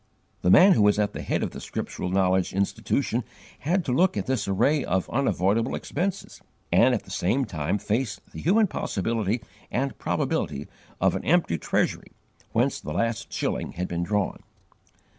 The man who was at the head of the Scriptural Knowledge Institution had to look at this array of unavoidable expenses, and at the same time face the human possibility and probability of an empty treasury whence the last shilling had been drawn.